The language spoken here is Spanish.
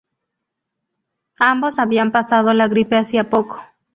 Ambos habían pasado la gripe hacía poco".